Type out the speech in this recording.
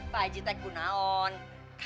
pak haji saya sudah berusaha